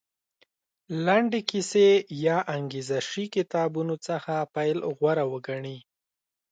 لنډې کیسې یا انګېزه شي کتابونو څخه پیل غوره وګڼي.